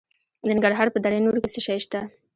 د ننګرهار په دره نور کې څه شی شته؟